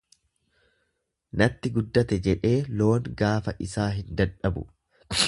Natti guddate jedhee loon gaafa isaa hin dadhabu.